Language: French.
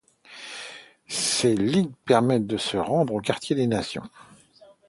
Ces lignes permettent de se rendre au quartier des Nations.